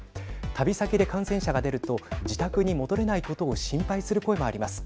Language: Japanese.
旅先で感染者が出ると自宅に戻れないことを心配する声もあります。